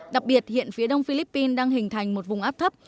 đặc biệt hiện phía đông philippines đang hình thành một vùng áp thấp